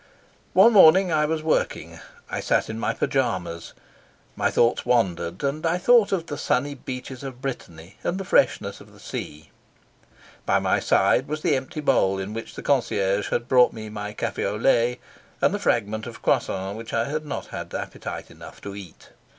One morning I was working. I sat in my Pyjamas. My thoughts wandered, and I thought of the sunny beaches of Brittany and the freshness of the sea. By my side was the empty bowl in which the concierge had brought me my and the fragment of croissant which I had not had appetite enough to eat.